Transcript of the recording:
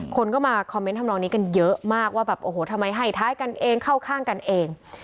คนก็มาคอมเมนต์ทำนองนี้กันเยอะมากว่าแบบโอ้โหทำไมให้ท้ายกันเองเข้าข้างกันเอง